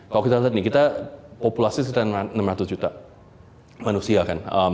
kalau kita lihat nih kita populasi sekitar enam ratus juta manusia kan